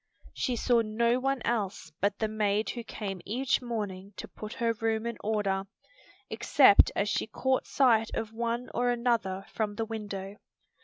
She saw no one else but the maid who came each morning to put her room in order; except as she caught sight of one or another from the window.